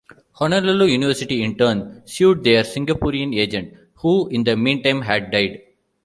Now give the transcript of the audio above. Honolulu University in turn sued their Singaporean agent, who in the meantime had died.